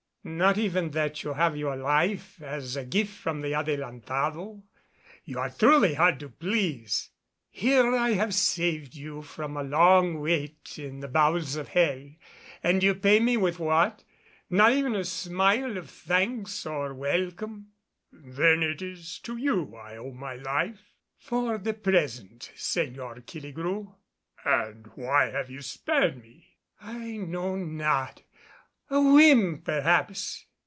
"Not even that you have your life as a gift from the Adelantado? You are truly hard to please. Here have I saved you from a long wait in the bowels of hell, and you pay me with what? not even a smile of thanks or welcome." "Then it is to you I owe my life?" "For the present, Señor Killigrew." "And why have you spared me?" "I know not. A whim, perhaps."